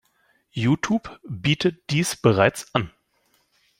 YouTube bietet dies bereits an.